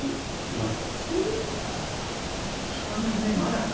生まれてないです。